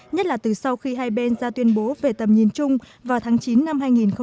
nhất là từ sau khi hai bên ra tuyên bố về tầm nhìn chung vào tháng chín năm hai nghìn hai mươi